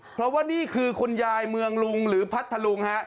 เพราะว่านี่คือคุณยายเมืองลุงหรือพัทธลุงฮะ